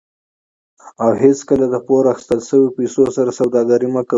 او هیڅکله د پور اخیستل شوي پیسو سره سوداګري مه کوئ.